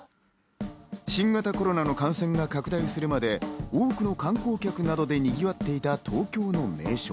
新型コロナの感染が拡大するまで多くの観光客などでにぎわっていた東京の名所。